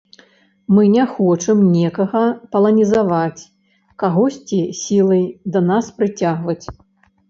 Мы не хочам некага паланізаваць, кагосьці сілай да нас прыцягваць.